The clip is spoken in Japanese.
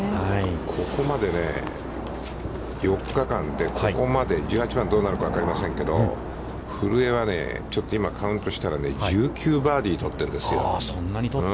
ここまでね、４日間でここまで１８番、どうなるか分かりませんけれども、古江はね、ちょっと今、カウントしたら、１９バーディーとってるんですよね。